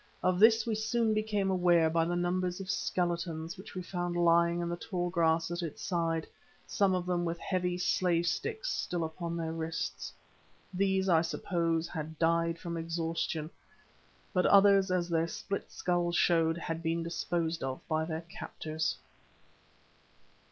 Of this we soon became aware by the numbers of skeletons which we found lying in the tall grass at its side, some of them with heavy slave sticks still upon their wrists. These, I suppose, had died from exhaustion, but others, as their split skulls showed had been disposed of by their captors.